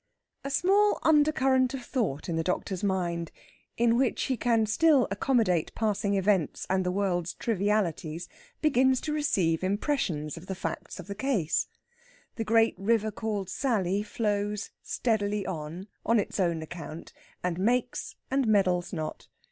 A small undercurrent of thought in the doctor's mind, in which he can still accommodate passing events and the world's trivialities, begins to receive impressions of the facts of the case. The great river called Sally flows steadily on, on its own account, and makes and meddles not.